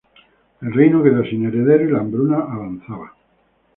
El reino quedó sin heredero y la hambruna avanzaba.